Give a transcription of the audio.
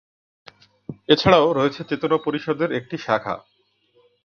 এছাড়াও রয়েছে চেতনা পরিষদ এর একটি শাখা।